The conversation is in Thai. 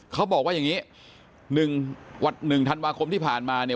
เขาบอกว่าอย่างนี้๑ธันวาคมที่ผ่านมาเนี่ย